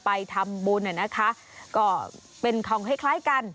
ไปทำบุญน่ะนะคะก็เป็นของคล้ายคล้ายกัน